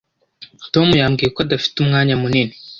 Tom yambwiye ko adafite umwanya munini.